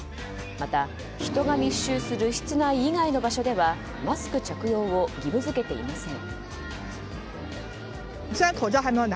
また、人が密集する室内以外の場所ではマスク着用を義務付けていません。